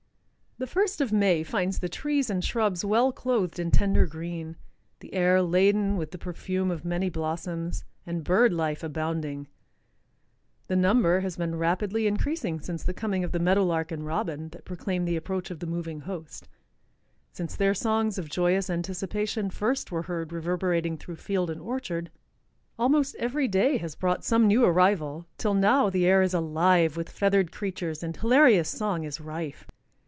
The first of May finds the trees and shrubs well clothed in tender green, the air laden with the perfume of many blossoms, and bird life abounding. The number has been rapidly increasing since the coming of the meadow lark and robin that proclaim the approach of the moving host. Since their songs of joyous anticipation first were heard reverberating through field and orchard, almost every day has brought some new arrival, till now the air is alive with feathered creatures and hilarious song is rife.